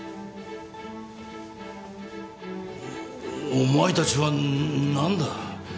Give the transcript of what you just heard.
お前たちは何だ？